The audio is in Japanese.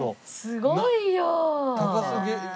すごいよ！